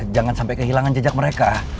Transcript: jangan sampai kehilangan jejak mereka